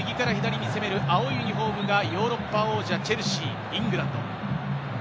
一方、右から左に攻める青いユニホームがヨーロッパ王者・チェルシー、イングランド。